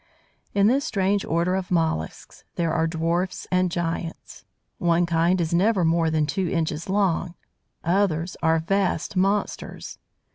In this strange order of molluscs there are dwarfs and giants. One kind is never more than two inches long, others are vast monsters.